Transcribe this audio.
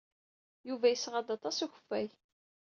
Yuba yesɣa-d aṭas n ukeffay.